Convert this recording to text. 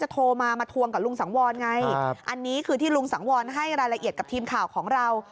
โทรมามาทวงกับลุงสังวรไงอันนี้คือที่ลุงสังวรให้รายละเอียดกับทีมข่าวของเรา